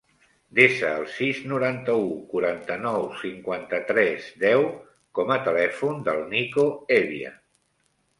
Desa el sis, noranta-u, quaranta-nou, cinquanta-tres, deu com a telèfon del Nico Hevia.